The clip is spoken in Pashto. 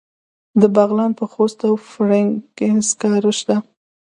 د بغلان په خوست او فرنګ کې سکاره شته.